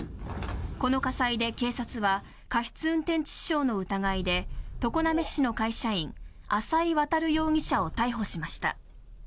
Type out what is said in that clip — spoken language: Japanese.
この火災で警察は過失運転致死傷の疑いで常滑市の会社員浅井渉容疑者を逮捕しました。